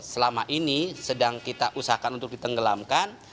selama ini sedang kita usahakan untuk ditenggelamkan